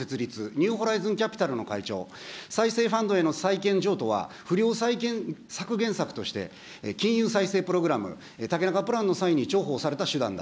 ニューホライズンキャピタルの会長、再生ファンドへの債権譲渡は、不良債権削減策として金融再生プログラム、竹中プランの際に重宝された手段だ。